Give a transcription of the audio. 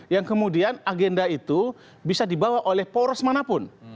yang kemudian agenda itu bisa dibawa oleh poros manapun